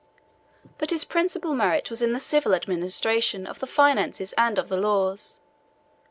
But his principal merit was in the civil administration of the finances and of the laws.